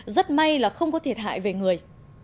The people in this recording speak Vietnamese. rất may là không có thiệt hại về người